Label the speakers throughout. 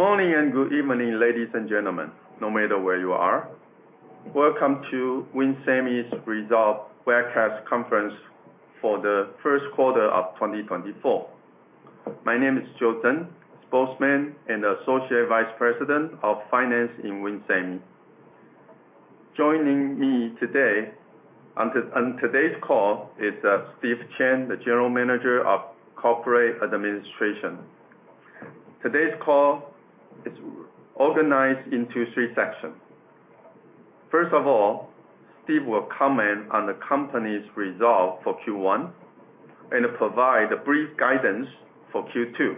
Speaker 1: Good morning and good evening, ladies and gentlemen, no matter where you are. Welcome to WIN Semi's Results Webcast Conference for the first quarter of 2024. My name is Joe Tseng, spokesman and associate vice president of finance in WIN Semi. Joining me today on today's call is Steve Chen, the general manager of corporate administration. Today's call is organized into three sections. First of all, Steve will comment on the company's results for Q1 and provide brief guidance for Q2.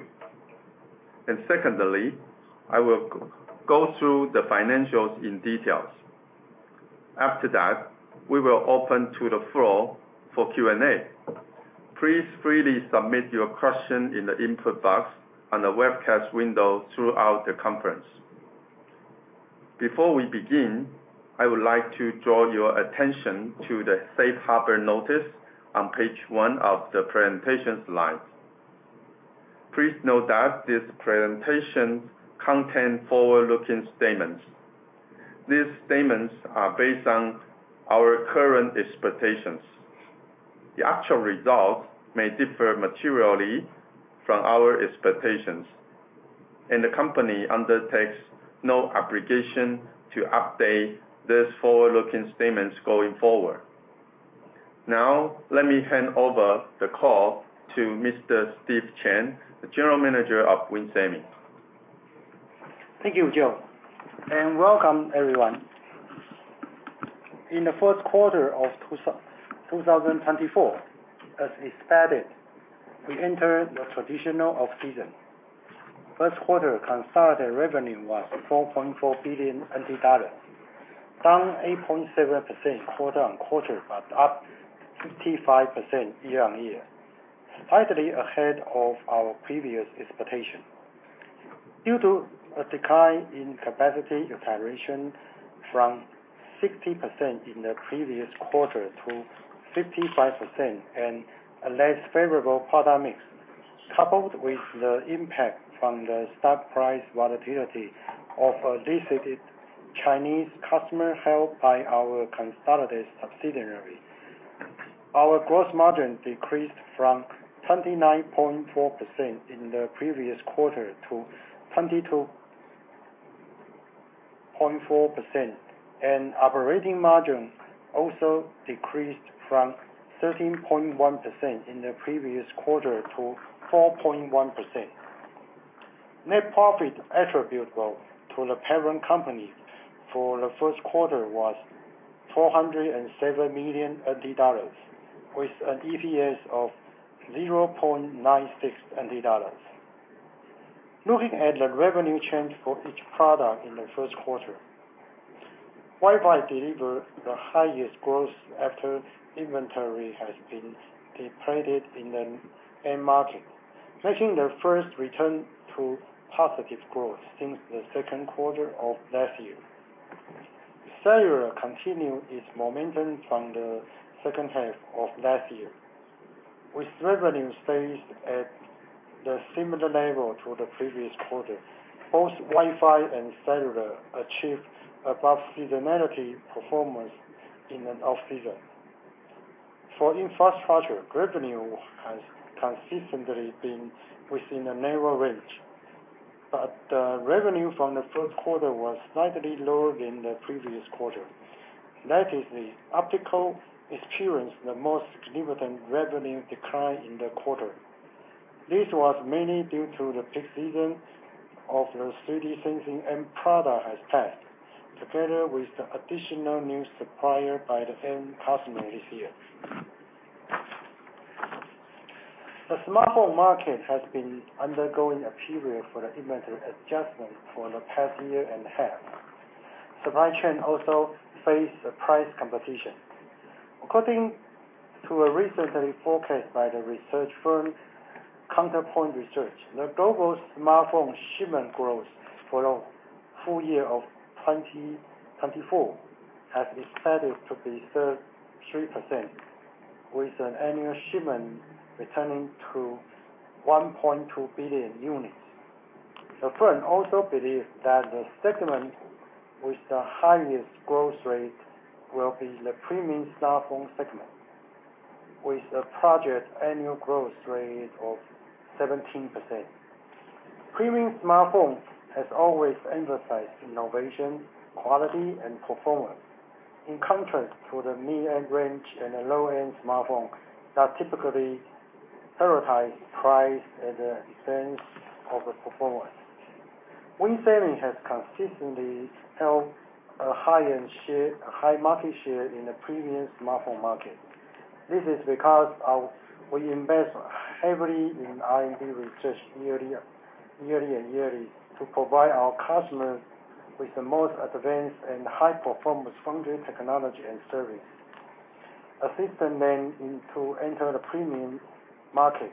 Speaker 1: Secondly, I will go through the financials in detail. After that, we will open to the floor for Q&A. Please freely submit your question in the input box on the webcast window throughout the conference. Before we begin, I would like to draw your attention to the safe harbor notice on page one of the presentation slides. Please note that these presentations contain forward-looking statements. These statements are based on our current expectations. The actual results may differ materially from our expectations, and the company undertakes no obligation to update these forward-looking statements going forward. Now, let me hand over the call to Mr. Steve Chen, the General Manager of WIN Semi.
Speaker 2: Thank you, Joe. Welcome, everyone. In the first quarter of 2024, as expected, we entered the traditional off-season. First quarter consolidated revenue was 4.4 billion NT dollars, down 8.7% quarter-on-quarter but up 55% year-on-year, slightly ahead of our previous expectation. Due to a decline in utilization rate from 60% in the previous quarter to 55% and a less favorable product mix, coupled with the impact from the stock price volatility of listed Chinese customer held by our consolidated subsidiary, our gross margin decreased from 29.4% in the previous quarter to 22.4%, and operating margin also decreased from 13.1% in the previous quarter to 4.1%. Net profit attributable to the parent company for the first quarter was 407 million NT dollars, with an EPS of 0.96 NT dollars. Looking at the revenue change for each product in the first quarter, Wi-Fi delivered the highest growth after inventory has been depleted in the end market, making the first return to positive growth since the second quarter of last year. Cellular continued its momentum from the second half of last year, with revenue stayed at the similar level to the previous quarter. Both Wi-Fi and Cellular achieved above-seasonality performance in the off-season. For Infrastructure, revenue has consistently been within a narrow range, but the revenue from the first quarter was slightly lower than the previous quarter. That is, the Optical experienced the most significant revenue decline in the quarter. This was mainly due to the peak season of the 3D Sensing end product has passed, together with the additional new supplier by the end customer this year. The smartphone market has been undergoing a period of the inventory adjustment for the past year and a half. The supply chain also faced price competition. According to a recent forecast by the research firm Counterpoint Research, the global smartphone shipment growth for the full year of 2024 is expected to be 3%, with annual shipments returning to 1.2 billion units. The firm also believes that the segment with the highest growth rate will be the premium smartphone segment, with the projected annual growth rate of 17%. Premium smartphones have always emphasized innovation, quality, and performance, in contrast to the mid-range and low-end smartphones that typically prioritize price at the expense of the performance. WIN Semi has consistently held a high market share in the premium smartphone market. This is because we invest heavily in R&D research yearly and yearly to provide our customers with the most advanced and high-performance foundry technology and service, assisting them to enter the premium market.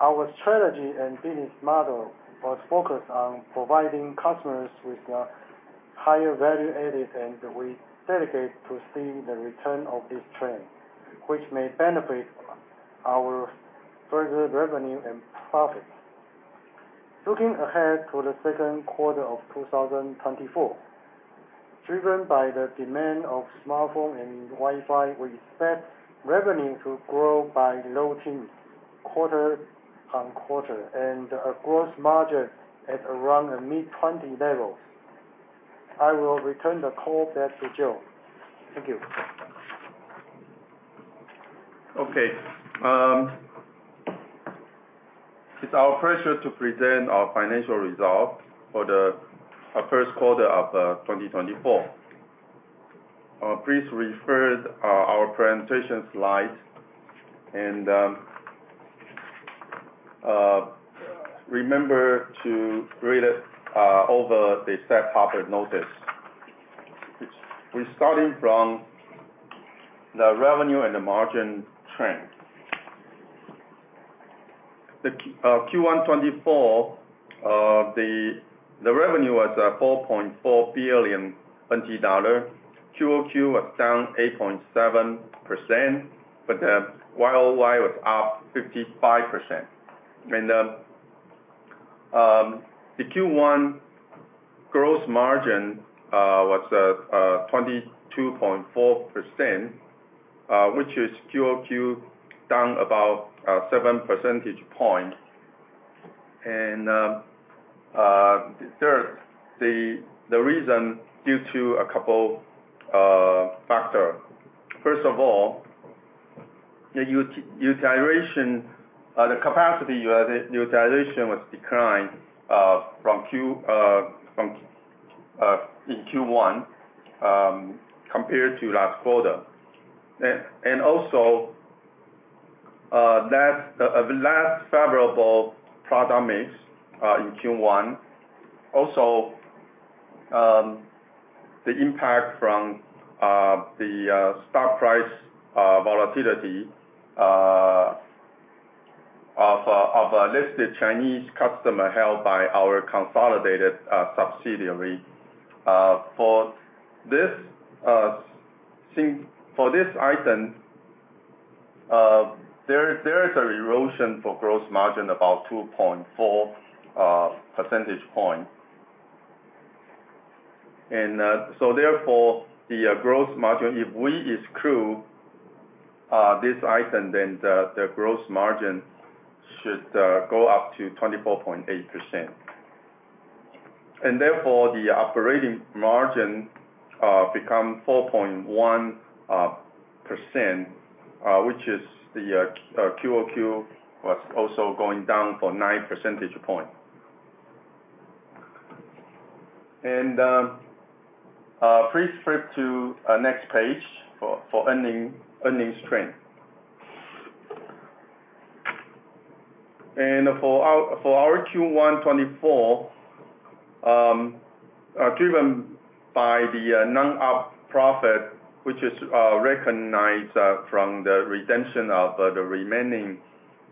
Speaker 2: Our strategy and business model was focused on providing customers with the higher value added, and we dedicate to seeing the return of this trend, which may benefit our further revenue and profits. Looking ahead to the second quarter of 2024, driven by the demand of smartphone and Wi-Fi, we expect revenue to grow by low teens quarter-on-quarter and a gross margin at around a mid-20 levels. I will return the call back to Joe. Thank you.
Speaker 1: Okay. It's our pleasure to present our financial results for the first quarter of 2024. Please refer to our presentation slides and remember to read over the safe harbor notice. We're starting from the revenue and the margin trend. Q1 2024, the revenue was 4.4 billion NT dollar. QoQ was down 8.7%, but the YOY was up 55%. The Q1 gross margin was 22.4%, which is QoQ down about 7 percentage points. The reason, due to a couple of factors. First of all, the capacity utilization was declined in Q1 compared to last quarter. Also, the less favorable product mix in Q1, also the impact from the stock price volatility of listed Chinese customer held by our consolidated subsidiary. For this item, there is an erosion for gross margin about 2.4 percentage points. So therefore, the gross margin, if we exclude this item, then the gross margin should go up to 24.8%. Therefore, the operating margin becomes 4.1%, which is the QoQ was also going down for 9 percentage points. Please flip to the next page for earnings trend. For our Q1 2024, driven by the non-operating profit, which is recognized from the redemption of the remaining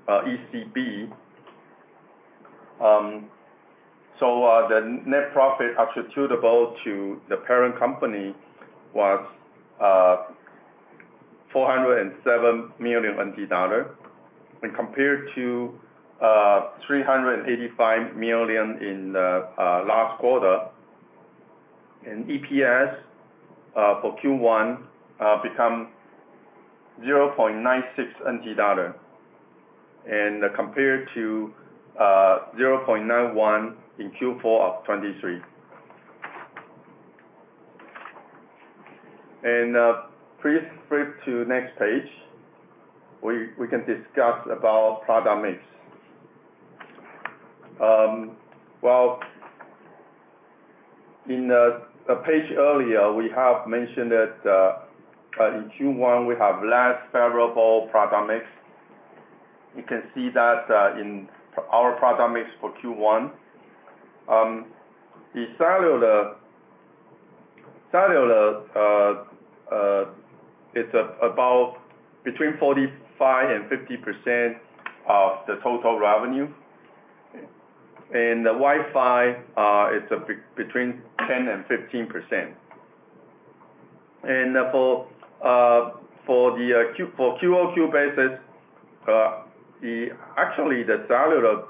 Speaker 1: ECB, so the net profit attributable to the parent company was 407 million NT dollar when compared to 385 million in the last quarter. EPS for Q1 becomes 0.96 NT dollar when compared to 0.91 in Q4 of 2023. Please flip to the next page. We can discuss about product mix. Well, in the page earlier, we have mentioned that in Q1, we have less favorable product mix. You can see that in our product mix for Q1. The cellular, it's between 45%-50% of the total revenue. And the Wi-Fi, it's between 10%-15%. And for the QoQ basis, actually, the cellular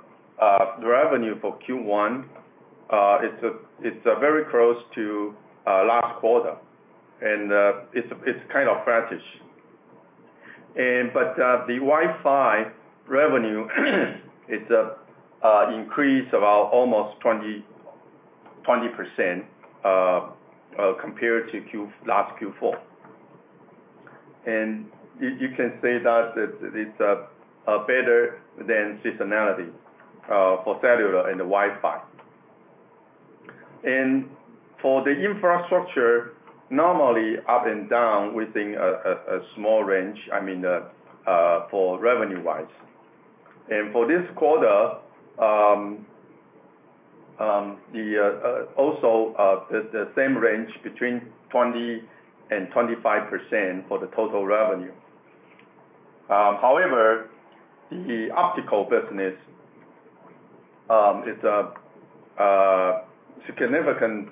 Speaker 1: revenue for Q1, it's very close to last quarter, and it's kind of flatish. But the Wi-Fi revenue, it's an increase of almost 20% compared to last Q4. And you can say that it's better than seasonality for cellular and the Wi-Fi. And for the infrastructure, normally up and down within a small range, I mean, revenue-wise. And for this quarter, also the same range between 20%-25% for the total revenue. However, the optical business is significantly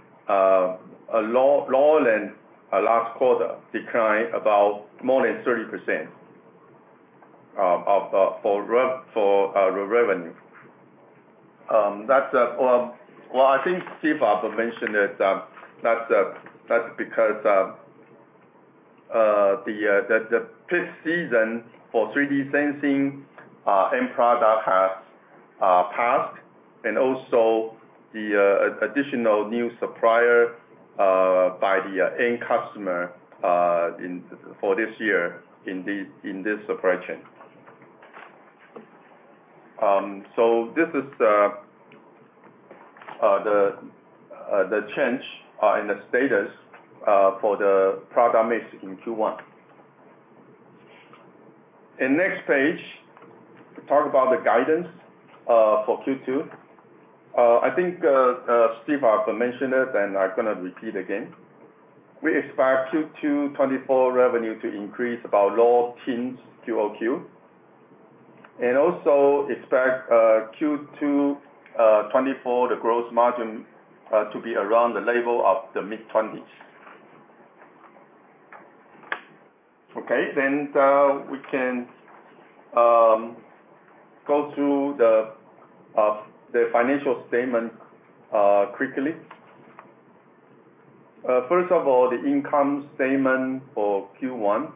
Speaker 1: lower than last quarter, declined more than 30% for revenue. Well, I think Steve has mentioned that that's because the peak season for 3D Sensing end product has passed and also the additional new supplier by the end customer for this year in this supply chain. So this is the change in the status for the product mix in Q1. Next page, talk about the guidance for Q2. I think Steve has mentioned it, and I'm going to repeat again. We expect Q2 2024 revenue to increase about low teens QoQ and also expect Q2 2024, the gross margin to be around the level of the mid-20s. Okay? We can go through the financial statement quickly. First of all, the income statement for Q1.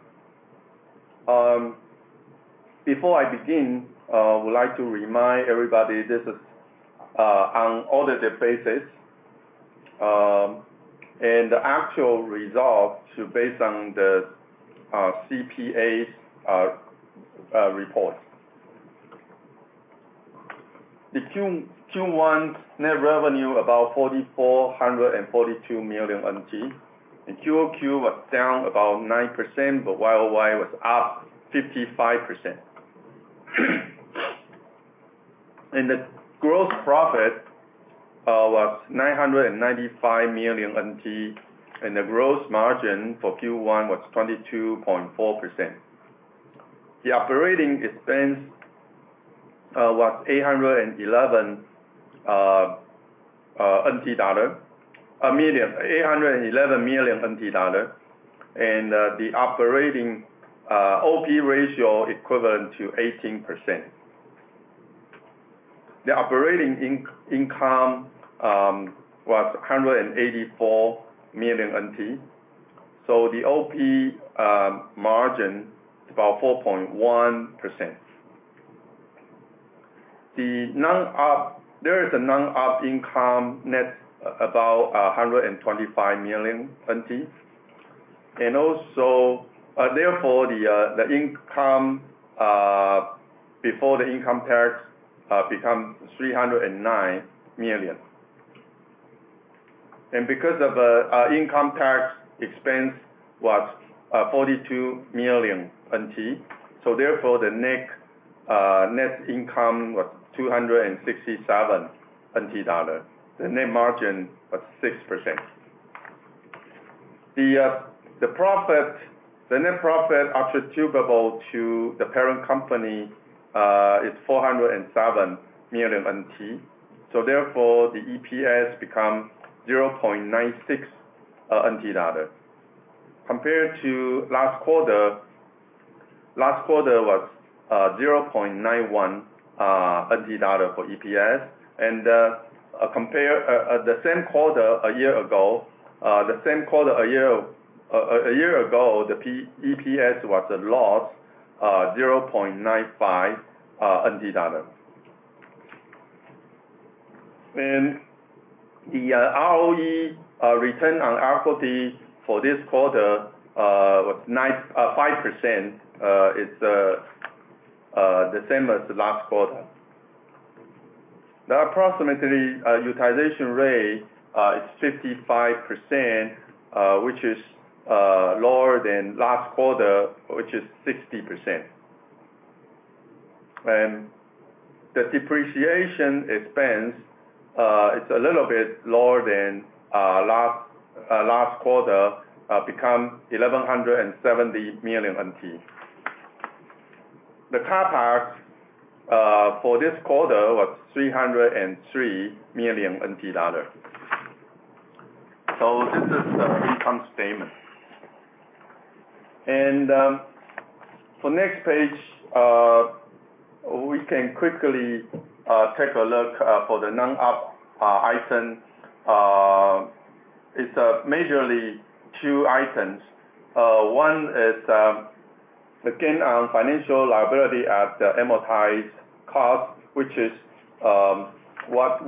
Speaker 1: Before I begin, I would like to remind everybody this is on an unaudited basis and the actual results based on the CPA's report. The Q1's net revenue was about 4,442 million NT. QoQ was down about 9%, but YOY was up 55%. The gross profit was 995 million NT, and the gross margin for Q1 was 22.4%. The operating expense was TWD 811 million, and the operating expense ratio equivalent to 18%. The operating income was 184 million NT. The OP margin is about 4.1%. There is a non-operating income net about 125 million NT. Therefore, the income before the income tax becomes 309 million. And because of income tax expense was 42 million NT, so therefore, the net income was 267 NT dollar. The net margin was 6%. The net profit attributable to the parent company is 407 million NT. Therefore, the EPS becomes 0.96 NT dollars compared to last quarter. Last quarter was 0.91 NT dollar for EPS. The same quarter a year ago, the same quarter a year ago, the EPS was a loss of 0.95 NT dollar. The ROE, return on equity, for this quarter was 5%. It's the same as last quarter. The approximate utilization rate is 55%, which is lower than last quarter, which is 60%. The depreciation expense, it's a little bit lower than last quarter, becomes 1,170 million NT. The CapEx for this quarter was 303 million NT dollar. So this is the income statement. For next page, we can quickly take a look at the non-operating item. It's majorly two items. One is, again, on financial liability at the amortized cost, which is what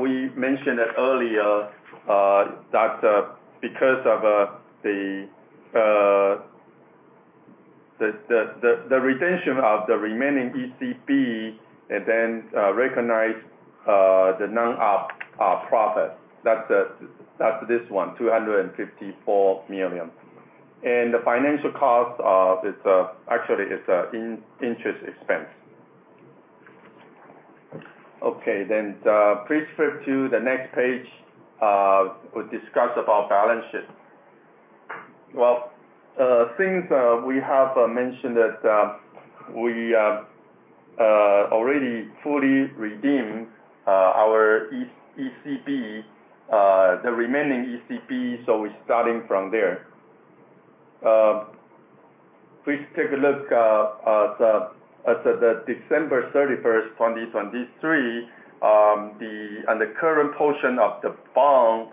Speaker 1: we mentioned earlier that because of the redemption of the remaining ECB and then recognize the non-operating profit, that's this one, 254 million. The financial cost, actually, it's interest expense. Okay? Then please flip to the next page. We'll discuss about balance sheet. Well, since we have mentioned that we already fully redeemed our remaining ECB, so we're starting from there. Please take a look at the December 31st, 2023, on the current portion of the bond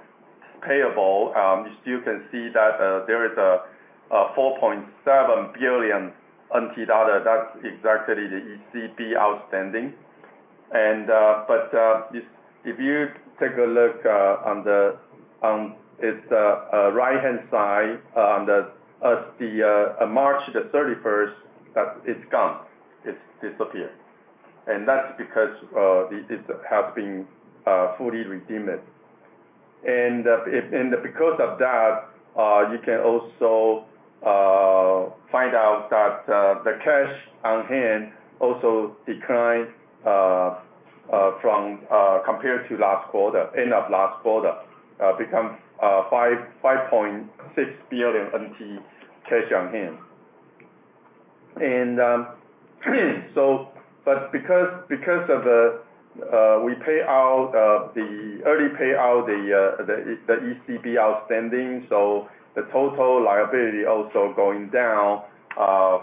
Speaker 1: payable. You still can see that there is a 4.7 billion NT. That's exactly the ECB outstanding. But if you take a look on its right-hand side, on March 31st, it's gone. It's disappeared. And that's because it has been fully redeemed. And because of that, you can also find out that the cash on hand also declined compared to last quarter, end of last quarter, becomes 5.6 billion NT cash on hand. But because we early pay out the ECB outstanding, so the total liability also going down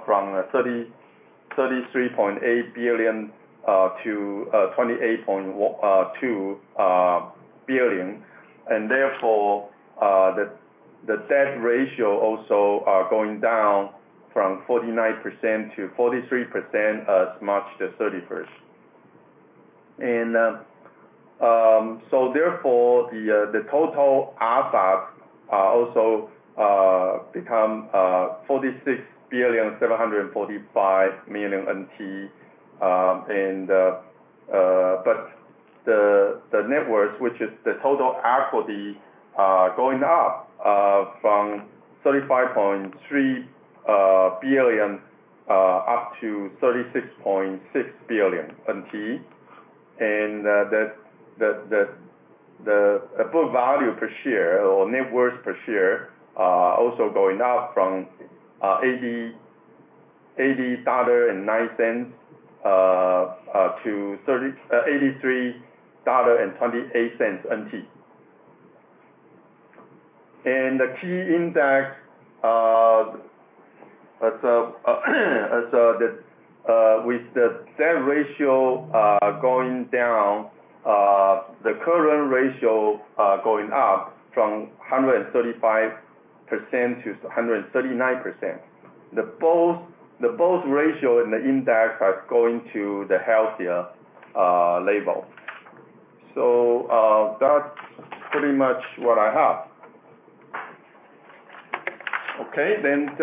Speaker 1: from 33.8 billion to 28.2 billion. Therefore, the debt ratio also going down from 49% to 43% as of March 31st. So therefore, the total assets also becomes TWD 46,745 million. But the net worth, which is the total equity, going up from 35.3 billion up to 36.6 billion NT. And the book value per share or net worth per share also going up from 80.09 dollar to 83.28 NT dollars. And the key index, with the debt ratio going down, the current ratio going up from 135% to 139%. Both the ratio and the index are going to the healthier level. So that's pretty much what I have. Okay? Then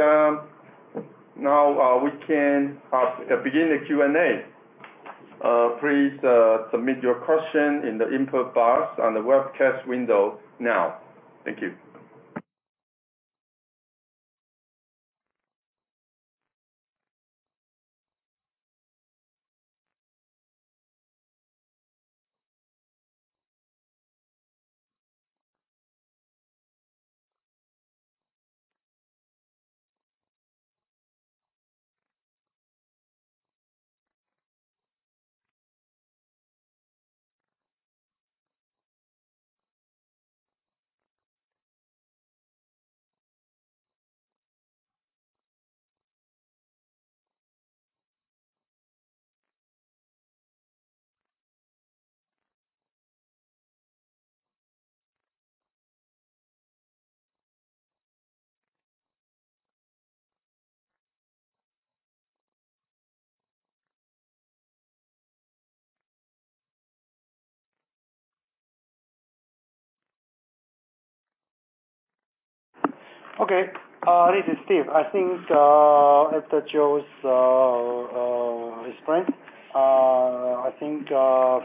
Speaker 1: now we can begin the Q&A. Please submit your question in the input box on the webcast window now. Thank you.
Speaker 2: Okay. This is Steve. I think after Joe's explained,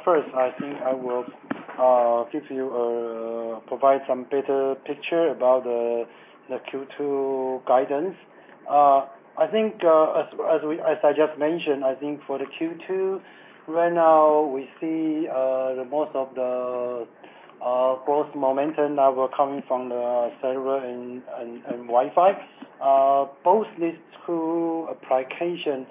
Speaker 2: first, I think I will provide some better picture about the Q2 guidance. As I just mentioned, I think for the Q2, right now, we see most of the gross momentum now coming from the Cellular and Wi-Fi. Both these two applications,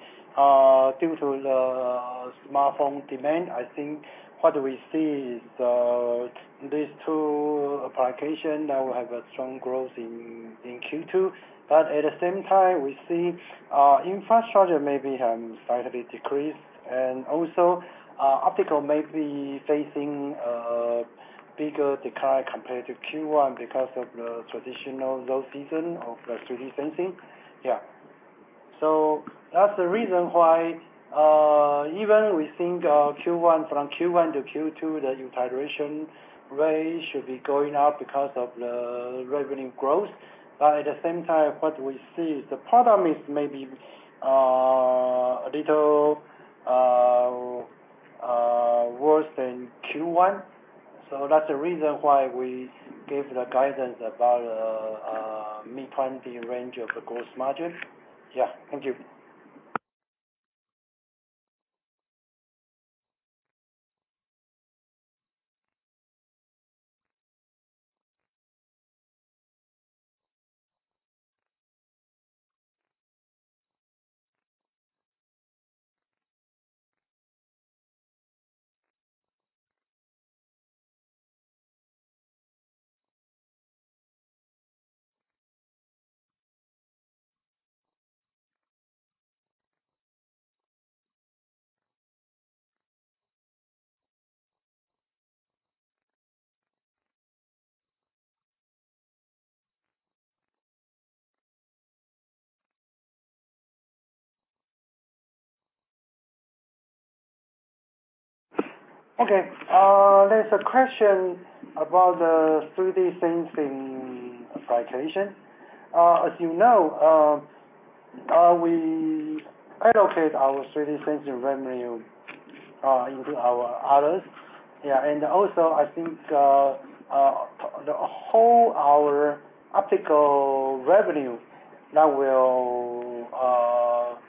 Speaker 2: due to the smartphone demand, I think what we see is these two applications now will have a strong growth in Q2. But at the same time, we see infrastructure maybe have slightly decreased. And also, optical may be facing a bigger decline compared to Q1 because of the traditional low season of the 3D sensing. Yeah. So that's the reason why even we think from Q1 to Q2, the utilization rate should be going up because of the revenue growth. But at the same time, what we see is the product mix may be a little worse than Q1. So that's the reason why we gave the guidance about the mid-20 range of the gross margin. Yeah. Thank you. Okay. There's a question about the 3D sensing application. As you know, we allocate our 3D sensing revenue into our others. Yeah. And also, I think the whole of our optical revenue now will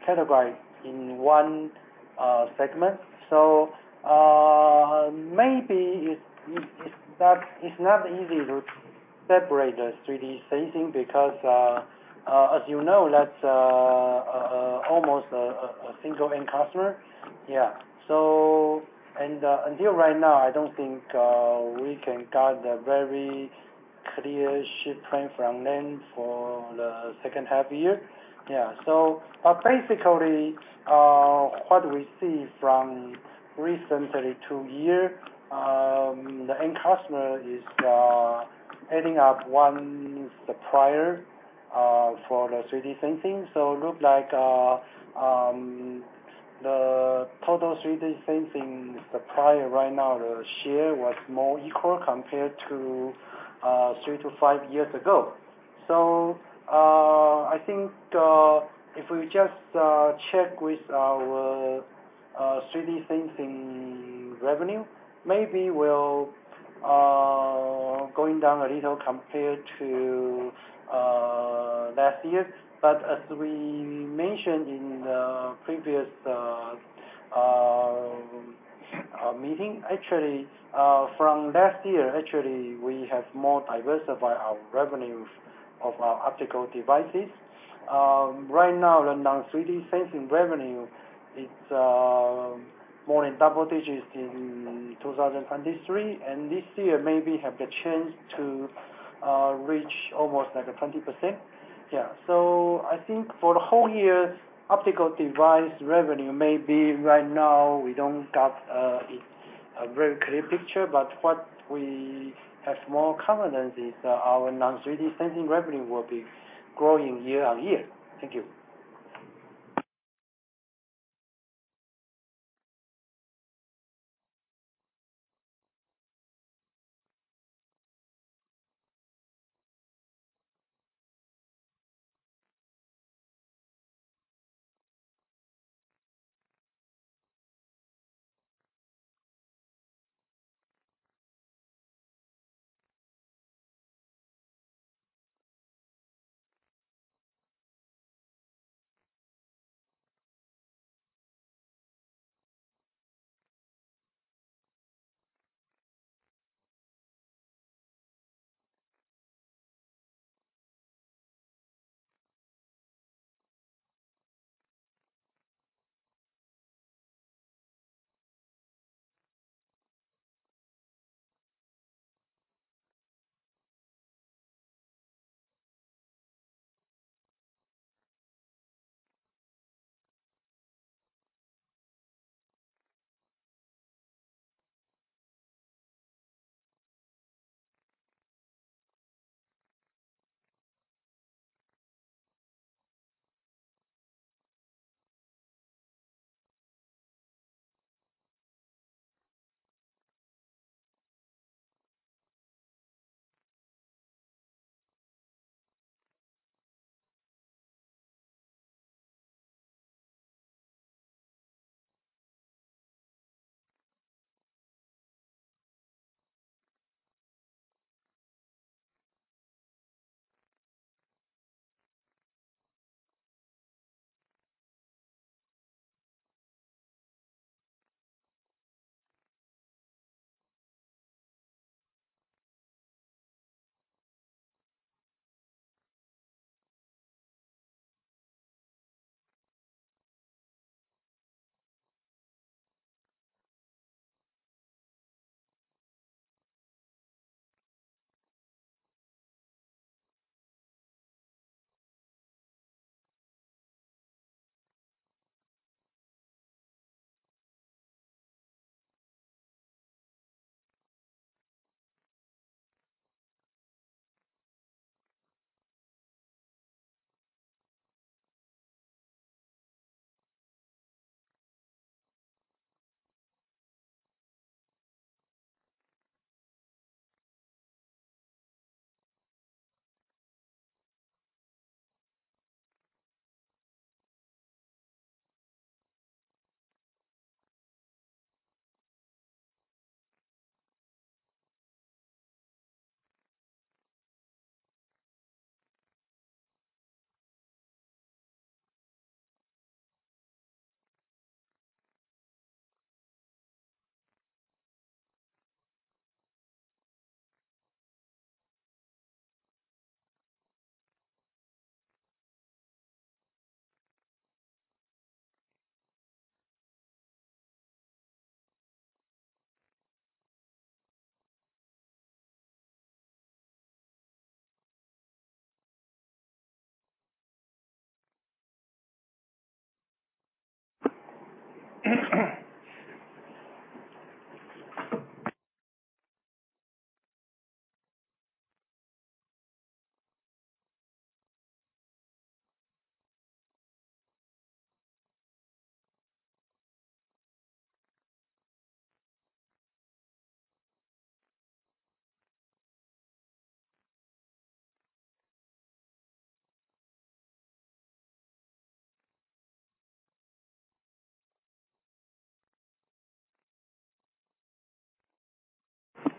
Speaker 2: categorize in one segment. So maybe it's not easy to separate the 3D sensing because, as you know, that's almost a single-end customer. Yeah. And until right now, I don't think we can get a very clear shift plan from then for the second half of the year. Yeah. But basically, what we see from recently two years, the end customer is adding up one supplier for the 3D sensing. So it looks like the total 3D sensing supplier right now, the share was more equal compared to three to five years ago. So I think if we just check with our 3D sensing revenue, maybe it will go down a little compared to last year. But as we mentioned in the previous meeting, actually, from last year, actually, we have more diversified our revenue of our optical devices. Right now, the non-3D sensing revenue, it's more than double digits in 2023. And this year maybe have the chance to reach almost like a 20%. Yeah. So I think for the whole year, optical device revenue maybe right now, we don't got a very clear picture. But what we have more confidence is our non-3D sensing revenue will be growing year-on-year. Thank you.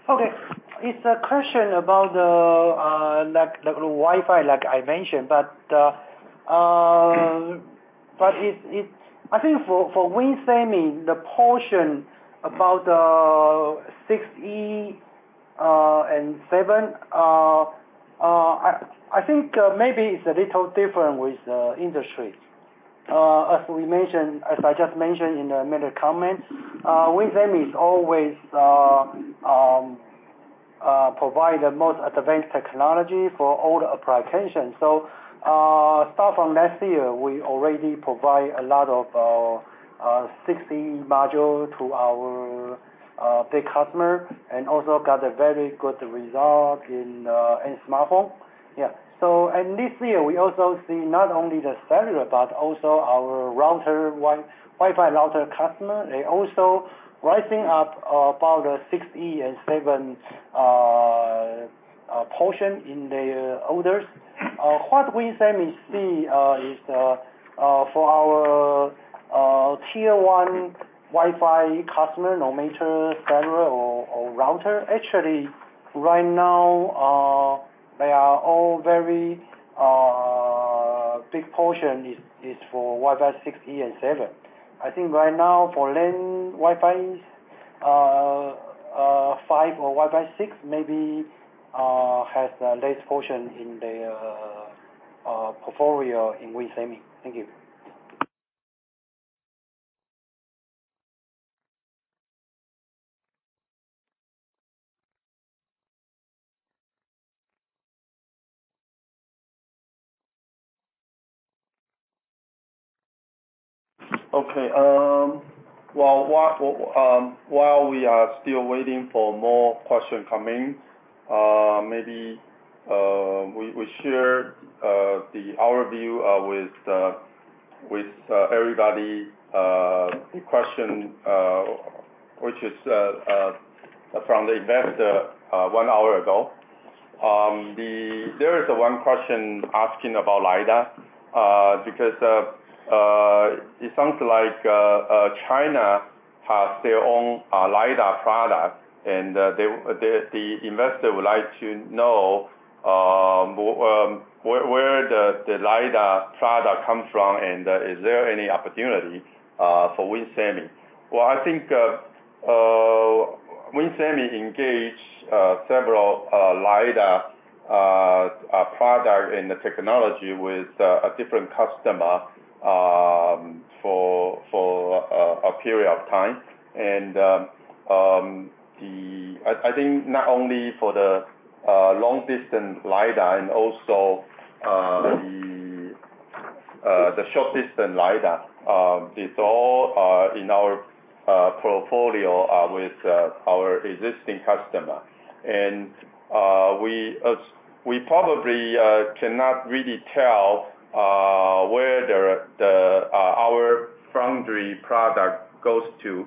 Speaker 2: Okay. It's a question about the Wi-Fi, like I mentioned. But I think for WIN Semi, the portion about 6E and 7, I think maybe it's a little different with the industry. As I just mentioned in the minor comment, WIN Semi always provides the most advanced technology for all the applications. So start from last year, we already provide a lot of 6E modules to our big customer and also got a very good result in smartphone. Yeah. And this year, we also see not only the cellular but also our Wi-Fi router customer. They're also rising up about the 6E and 7 portion in their others. What WIN Semi see is for our tier-one Wi-Fi customer, no matter cellular or router. Actually, right now, they are all very big portion is for Wi-Fi 6E and 7. I think right now, for Wi-Fi 5 or Wi-Fi 6, maybe has the latest portion in their portfolio in WIN Semi. Thank you.
Speaker 1: Okay. While we are still waiting for more questions coming, maybe we share our view with everybody, the question which is from the investor one hour ago. There is one question asking about LiDAR because it sounds like China has their own LiDAR product. The investor would like to know where the LiDAR product comes from and is there any opportunity for WIN Semi. Well, I think WIN Semi engaged several LiDAR products and the technology with a different customer for a period of time. I think not only for the long-distance LiDAR and also the short-distance LiDAR, it's all in our portfolio with our existing customer. We probably cannot really tell where our foundry product goes to.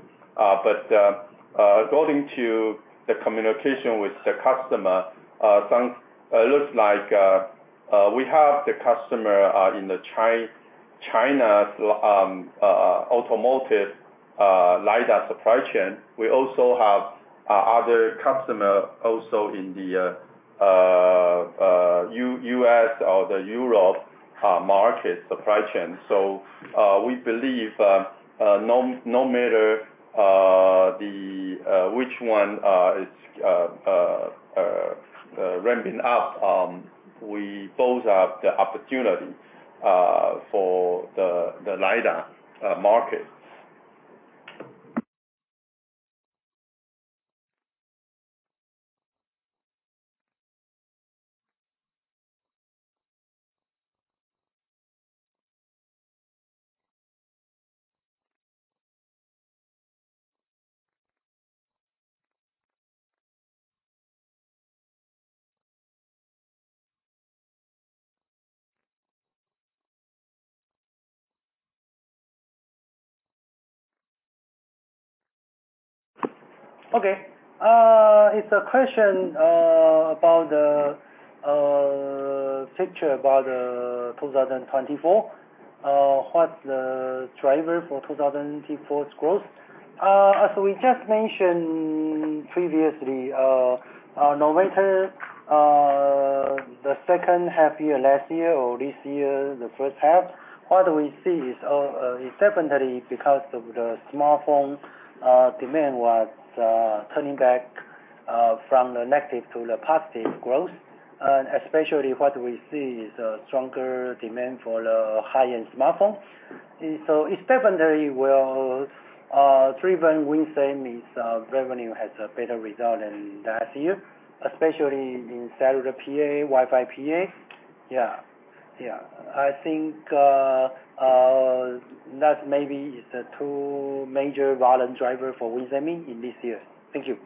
Speaker 1: According to the communication with the customer, it looks like we have the customer in the China automotive LiDAR supply chain. We also have other customers also in the U.S. or the European market supply chain. So we believe no matter which one is ramping up, we both have the opportunity for the LiDAR market.
Speaker 2: Okay. It's a question about the picture about 2024. What's the driver for 2024's growth? As we just mentioned previously, no matter the second half year last year or this year, the first half, what we see is definitely because of the smartphone demand was turning back from the negative to the positive growth. And especially, what we see is a stronger demand for the high-end smartphone. So it's definitely driven WIN Semi's revenue has a better result than last year, especially in cellular PA, Wi-Fi PA. Yeah. Yeah. I think that maybe is the two major volume drivers for WIN Semi in this year. Thank you.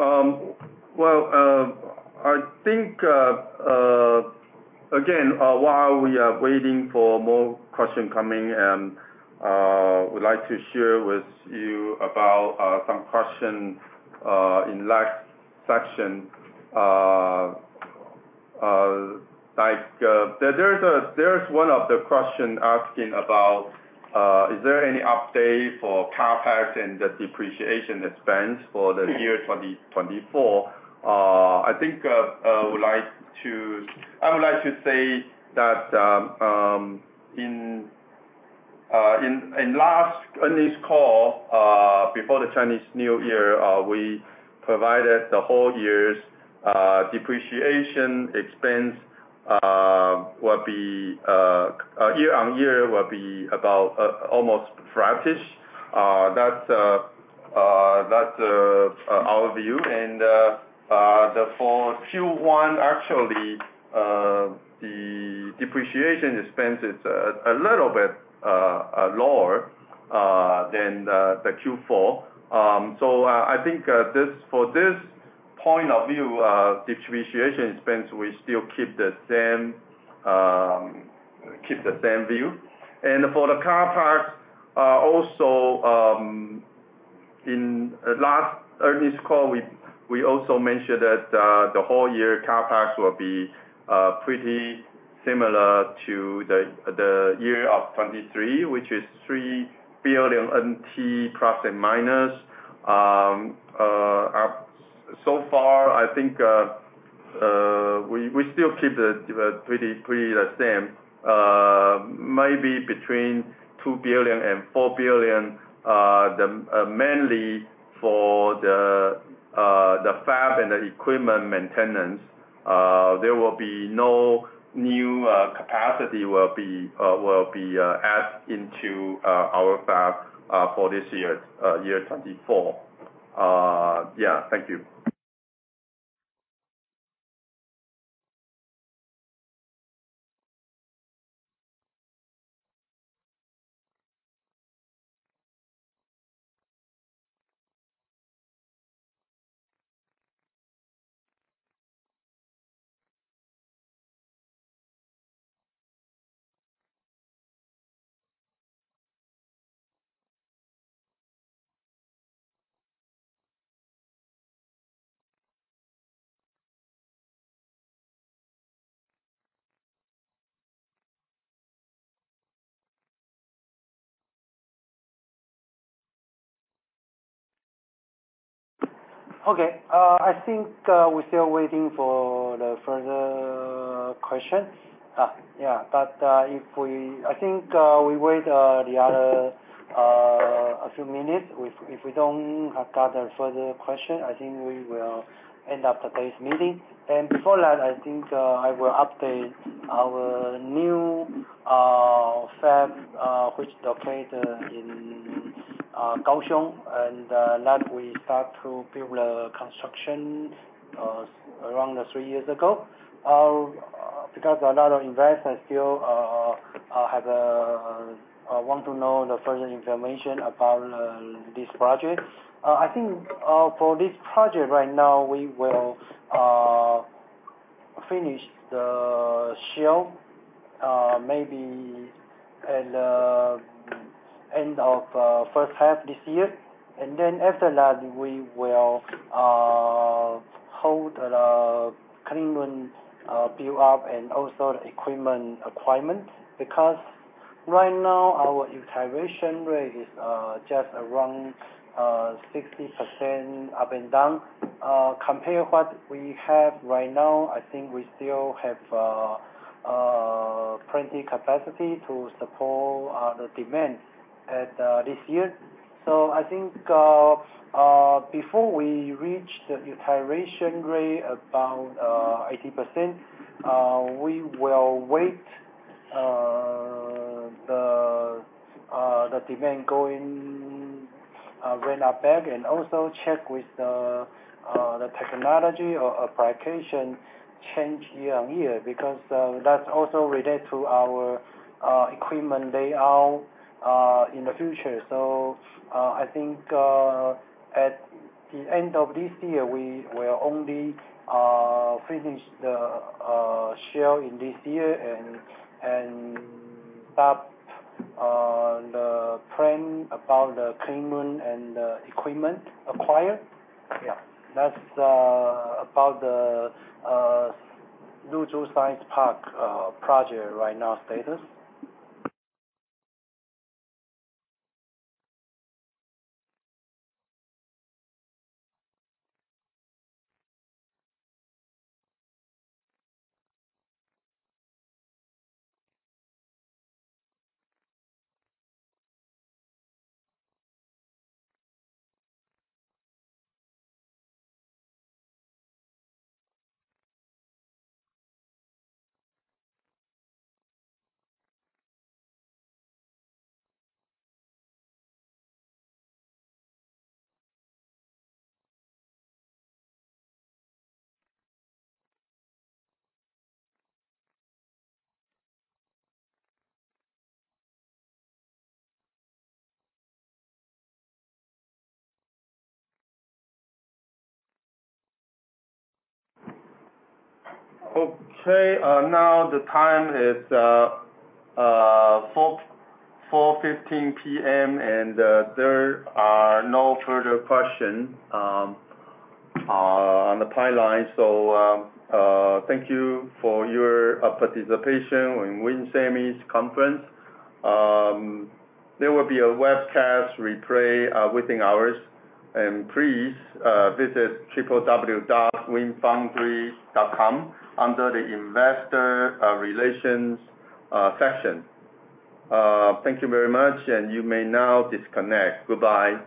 Speaker 1: Well, I think, again, while we are waiting for more questions coming, we'd like to share with you about some questions in last section. There's one of the questions asking about is there any update for CapEx and the depreciation expense for the year 2024? I think I would like to say that in last earnings call before the Chinese New Year, we provided the whole year's depreciation expense will be year on year will be almost flatish. That's our view. And for Q1, actually, the depreciation expense is a little bit lower than the Q4. So I think for this point of view, depreciation expense, we still keep the same view. And for the CapEx, also in last earnings call, we also mentioned that the whole year CapEx will be pretty similar to the year of 2023, which is 3 billion NT plus and minus. So far, I think we still keep it pretty the same, maybe between 2 billion and 4 billion, mainly for the fab and the equipment maintenance. There will be no new capacity will be added into our fab for this year, year 2024. Yeah. Thank you.
Speaker 2: Okay. I think we're still waiting for the further question. Yeah. But I think we wait the other a few minutes. If we don't have got a further question, I think we will end up today's meeting. And before that, I think I will update our new fab, which is located in Kaohsiung. And that we start to build a construction around three years ago because a lot of investors still want to know the further information about this project. I think for this project right now, we will finish the shell maybe at the end of first half this year. Then after that, we will hold a cleanroom buildup and also the equipment acquirement because right now, our utilization rate is just around 60% up and down. Compared to what we have right now, I think we still have plenty capacity to support the demand this year. So I think before we reach the utilization rate about 80%, we will wait the demand ramp up back and also check with the technology or application change year-over-year because that's also related to our equipment layout in the future. So I think at the end of this year, we will only finish the shell in this year and stop the plan about the cleanroom and the equipment acquired. Yeah. That's about the Luzhu Science Park project right now status.
Speaker 1: Okay. Now, the time is 4:15 P.M. And there are no further questions on the pipeline. Thank you for your participation in WIN Semi's conference. There will be a webcast replay within hours. Please visit www.winfoundry.com under the investor relations section. Thank you very much. You may now disconnect. Goodbye.